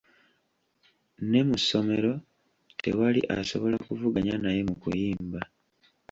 Ne mu ssomero tewali asobola kuvuganya naye mu kuyimba.